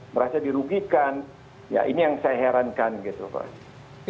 merasa dirugikan ya ini yang saya herankan gitu pak